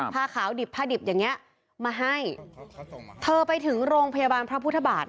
ผ้าขาวดิบผ้าดิบอย่างนี้มาให้เธอไปถึงโรงพยาบาลพระพุทธบาท